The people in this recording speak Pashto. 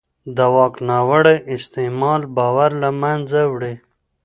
د واک ناوړه استعمال باور له منځه وړي